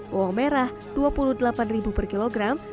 bawang merah rp dua puluh delapan per kilogram